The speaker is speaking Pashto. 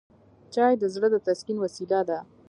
چای د زړه د تسکین وسیله ده